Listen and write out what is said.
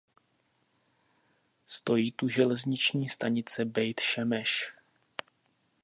Stojí tu železniční stanice Bejt Šemeš.